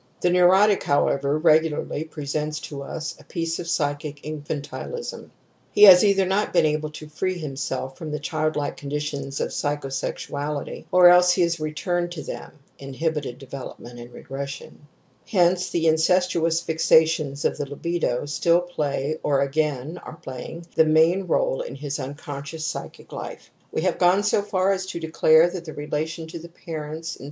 The neu rotic, however, regularly presents to us a piece THE SAVAGE'S DREAD OF INCEST of psychic infantilism ; he has either not been ' able to free himself from the childlike conditions of psychosexuality, or else he has returned to i themVinhibited development and regression), y Hence the incestuous fixations of the libidor still play or again are playing the main role in his unconscious psychic Ufe. We have gone so far as to declare thati^e relation to the ^ parejnts„im.